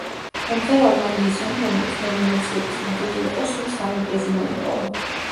მომღერალმა ლიზომ, რომელიც ნომინაციების ლიდერი იყო, სულ სამი პრიზი მოიპოვა.